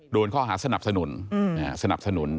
โดนข้อหาสนับสนุน